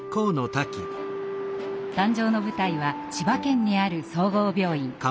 誕生の舞台は千葉県にある総合病院。